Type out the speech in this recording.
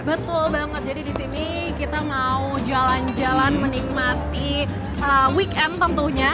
betul banget jadi di sini kita mau jalan jalan menikmati weekend tentunya